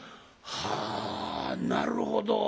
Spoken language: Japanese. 「はあなるほど」。